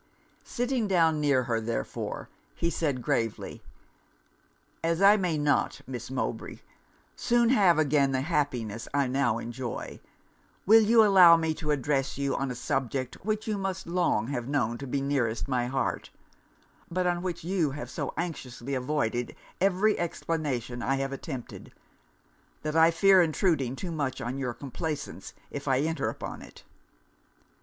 Sitting down near her, therefore, he said, gravely 'As I may not, Miss Mowbray, soon have again the happiness I now enjoy, will you allow me to address you on a subject which you must long have known to be nearest my heart; but on which you have so anxiously avoided every explanation I have attempted, that I fear intruding too much on your complaisance if I enter upon it.'